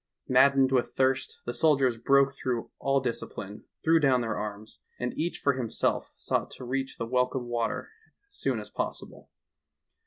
Maddened with thirst, the soldiers broke through all dis cipline, threw down their arms, and each for him self sought to reach the welcome water as soon as possible.